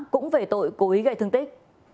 cũng về tội cố ý gây thương tích